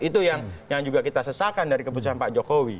itu yang juga kita sesakkan dari keputusan pak jokowi